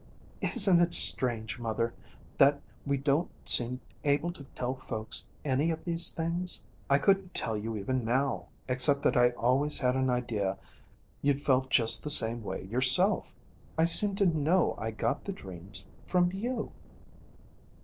'Isn't it strange, mother, that we don't seem able to tell folks any of these things? I couldn't tell you even now, except that I always had an idea you'd felt just the same way, yourself. I seemed to know I got the dreams from you.'